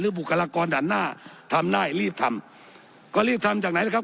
บุคลากรด่านหน้าทำได้รีบทำก็รีบทำจากไหนนะครับ